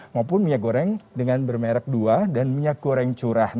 maupun minyak goreng dengan bermerek dua dan minyak goreng curah